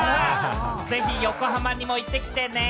ぜひ横浜にも行ってきてね。